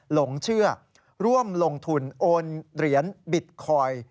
หลงเชื่อร่วมลงทุนโอนเหรียญบิตคอยน์